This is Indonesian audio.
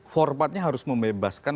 forbatnya harus membebaskan